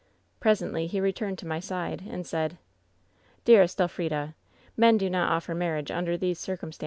Presently he re turned to my side, and said :" 'Dearest Elfrida, men do not offer marriage under these circumstances.'